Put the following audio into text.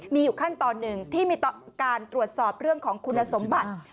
มีอยู่ขั้นตอนหนึ่งที่มีการตรวจสอบเรื่องของคุณสมบัติ